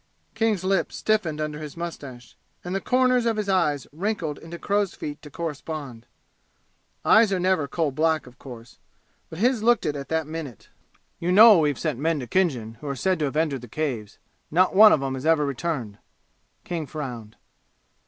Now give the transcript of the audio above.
King's lips stiffened under his mustache, and the corners of his eyes wrinkled into crow's feet to correspond. Eyes are never coal black, of course, but his looked it at that minute. "You know we've sent men to Khinjan who are said to have entered the Caves. Not one of 'em has ever returned." King frowned.